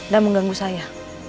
dan mengganggu saya